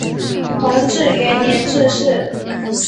弘治元年致仕。